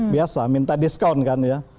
biasa minta diskon kan ya